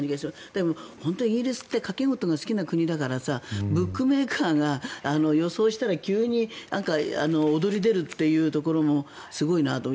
でも、本当にイギリスって賭け事が好きな国だからさブックメーカーが予想したら急に躍り出るっていうところもすごいなと。